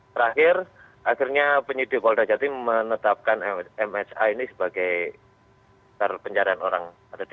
terakhir akhirnya penyidik polda jatim menetapkan msa ini sebagai pencarian orang